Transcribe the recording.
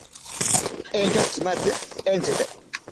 Entyo tsimake entsite.